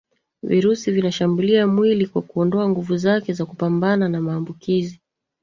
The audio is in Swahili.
virusi vinashambulia mwili kwa kuondoa nguvu zake za kupambana na maambukizi